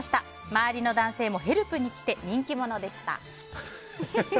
周りの男性もヘルプに来て人気者でした。